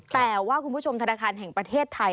แต่ว่าคุณผู้ชมธนาคารแห่งประเทศไทย